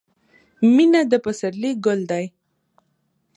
• مینه د پسرلي ګل دی.